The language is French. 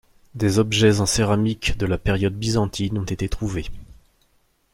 Des objets en céramique de la période byzantine ont été trouvés.